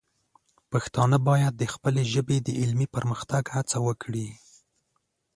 پښتانه باید د خپلې ژبې د علمي پرمختګ هڅه وکړي.